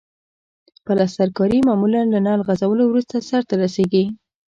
پلسترکاري معمولاً له نل غځولو وروسته سرته رسیږي.